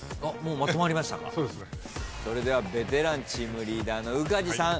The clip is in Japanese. それではベテランチームリーダーの宇梶さん